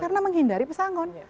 karena menghindari pesangon